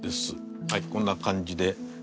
はいこんな感じで。